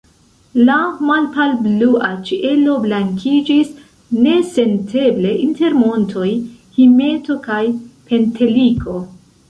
La malpalblua ĉielo blankiĝis nesenteble inter montoj Himeto kaj Penteliko.